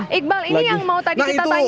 oh iqbal ini yang mau tadi kita tanyain